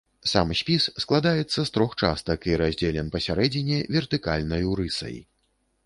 Сам спіс складаецца з трох частак і раздзелен пасярэдзіне вертыкальнаю рысай.